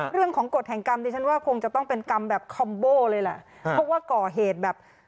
เรื่องของกฎแห่งกรรมดิฉันว่าคงจะต้องเป็นกรรมแบบคอมโบ้เลยแหละเพราะว่าก่อเหตุแบบ